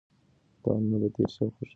تاوانونه به تېر شي او خوښي به راشي.